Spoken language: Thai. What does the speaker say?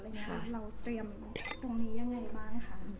เราเตรียมตรงนี้ยังไงบ้างคะ